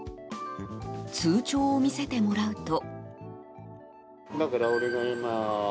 通帳を見せてもらうと。